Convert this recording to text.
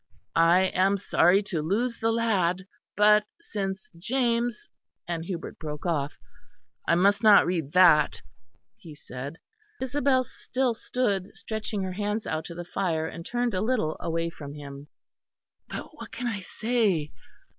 I am sorry to lose the lad, but since James '" and Hubert broke off. "I must not read that," he said. Isabel still stood, stretching her hands out to the fire, turned a little away from him. "But what can I say?"